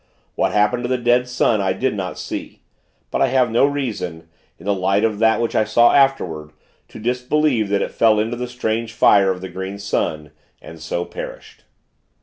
What happened to the dead sun, I did not see; but I have no reason in the light of that which I saw afterward to disbelieve that it fell into the strange fire of the Green Sun, and so perished.